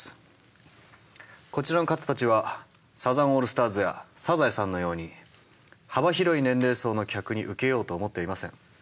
こちらの方たちはサザンオールスターズやサザエさんのように幅広い年齢層の客に受けようと思っていません。